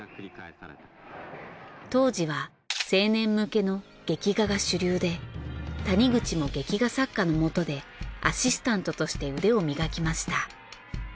当時は青年向けの劇画が主流で谷口も劇画作家のもとでアシスタントとして腕を磨きました。